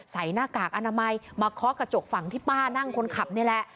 หน้ากากอนามัยมาเคาะกระจกฝั่งที่ป้านั่งคนขับนี่แหละ